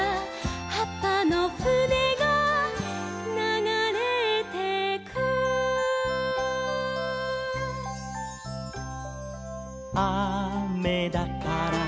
「はっぱのふねがながれてく」「あめだから」